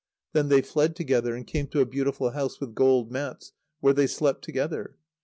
Then they fled together, and came to a beautiful house with gold mats, where they slept together.